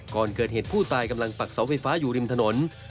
ก่อนเกิดเหตุผู้ตายกำลังปักเสาไฟฟ้าอยู่ริมถนน